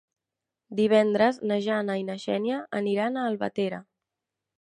Divendres na Jana i na Xènia aniran a Albatera.